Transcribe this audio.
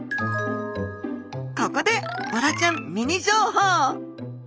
ここでボラちゃんミニ情報。